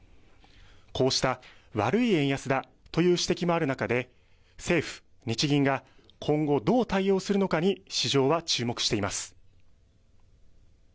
こうした悪い円安だという指摘もある中で政府、日銀が今後どう対応するのかに市場は注目しています。